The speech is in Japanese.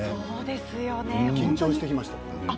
緊張してきました。